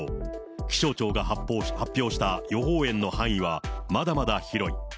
気象庁が発表した予報円の範囲はまだまだ広い。